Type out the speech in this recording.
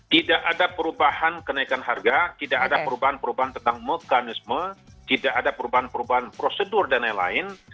tidak ada perubahan kenaikan harga tidak ada perubahan perubahan tentang mekanisme tidak ada perubahan perubahan prosedur dan lain lain